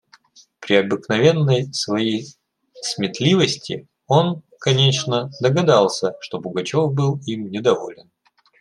При обыкновенной своей сметливости он, конечно, догадался, что Пугачев был им недоволен.